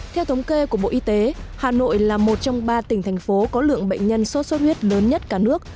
theo thống kê của bộ y tế hà nội là một trong ba tỉnh thành phố có lượng bệnh nhân sốt sốt huyết lớn nhất cả nước